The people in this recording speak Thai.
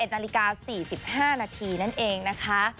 ๑นาฬิกา๔๕นาทีนั่นเองนะคะ